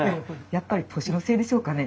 やっぱり年のせいでしょうかね